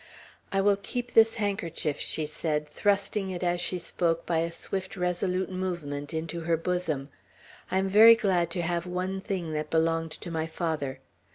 "I will keep this handkerchief," she said, thrusting it as she spoke, by a swift resolute movement into her bosom. "I am very glad to have one thing that belonged to my father.